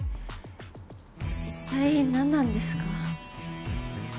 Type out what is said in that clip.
一体何なんですか？